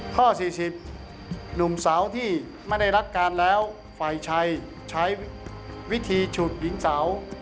ข้อสี่สิบหนุ่มสาวที่ไม่ได้รักการแล้วฝ่ายชายใช้วิธีฉุดหญิงสาว